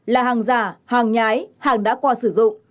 là hàng giả hàng nhái hàng đã qua sử dụng